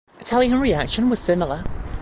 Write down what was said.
Italian reaction was similar.